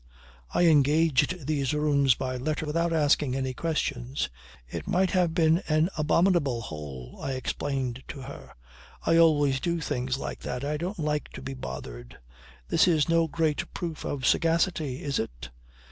"I engaged these rooms by letter without asking any questions. It might have been an abominable hole," I explained to her. "I always do things like that. I don't like to be bothered. This is no great proof of sagacity is it?